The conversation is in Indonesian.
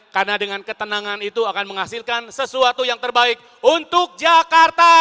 karena dengan ketenangan itu akan menghasilkan sesuatu yang terbaik untuk jakarta